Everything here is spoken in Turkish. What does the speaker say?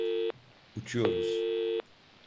Uçuyoruz!